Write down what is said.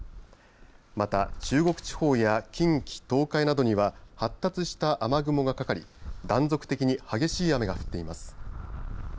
また中国地方や近畿東海などには発達した雨雲がかかり断続的に激しい雨が降っています。